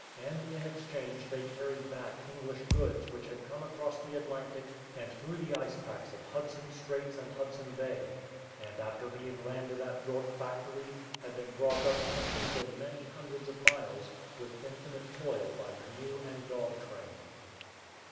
And in exchange they caiTied back English goods which had 203 THE "PRAYING MASTER" coine across the Atlantic and through the ice packs of Hudson Straits and Hudson Bay, and, after being landed at York Factory, had been brought up country for many hundreds of miles with infinite toil by canoe and dog train.